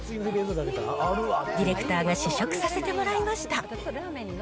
ディレクターが試食させてもらいました。